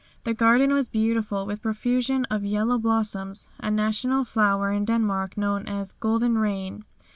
The garden was beautiful with a profusion of yellow blossoms, a national flower in Denmark known as "Golden Rain."